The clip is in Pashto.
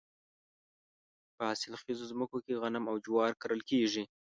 په حاصل خیزو ځمکو کې غنم او جوار کرل کیږي.